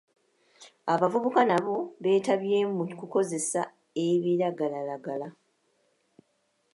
Abavubuka nabo beetabye mu ku kozesa ebiragalalagala